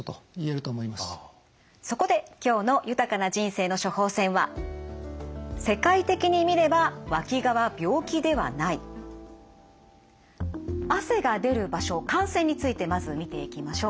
そこで今日の「豊かな人生の処方せん」は汗が出る場所汗腺についてまず見ていきましょう。